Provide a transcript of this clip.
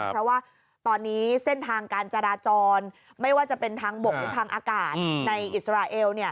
เพราะว่าตอนนี้เส้นทางการจราจรไม่ว่าจะเป็นทางบกหรือทางอากาศในอิสราเอลเนี่ย